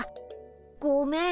ごめん。